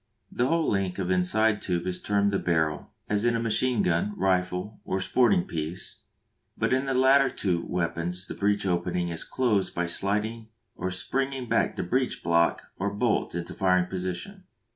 The whole length of inside tube is termed the barrel, as in a machine gun, rifle, or sporting piece, but in the two latter weapons the breech opening is closed by sliding or springing back the breech block or bolt into firing position.